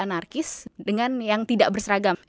anarkis dengan yang tidak berseragam